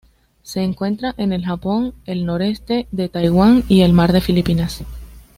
Se encuentra en el Japón, el noreste de Taiwán y el Mar de Filipinas.